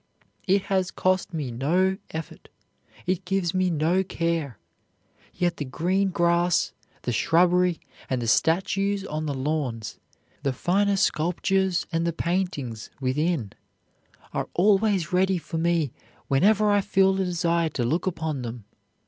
It has cost me no effort, it gives me no care; yet the green grass, the shrubbery, and the statues on the lawns, the finer sculptures and the paintings within, are always ready for me whenever I feel a desire to look upon them.